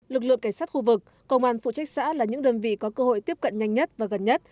lực lượng cảnh sát khu vực công an phụ trách xã là những đơn vị có cơ hội tiếp cận nhanh nhất và gần nhất